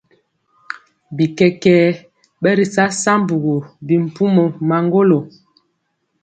Bikɛkɛ ɓɛ ri sa sambugu bimpumɔ maŋgolo.